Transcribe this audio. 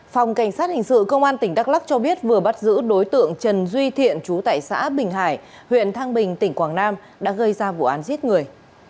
phòng cảnh sát hình sự công an tỉnh đắk lắc cho biết vừa bắt giữ đối tượng trần duy thiện chú tại xã bình hải huyện thăng bình tỉnh quảng nam đã gây ra vụ án giết người